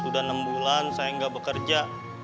sudah enam bulan saya nggak bekerja